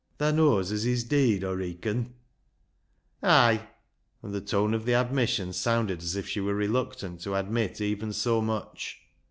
" Thaa knows as he's deead, Aw reacon ?"" Ay !" and the tone of the admission sounded as if she were reluctant to admit even so much.